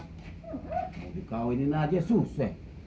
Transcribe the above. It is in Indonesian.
mau di kawinin aja susah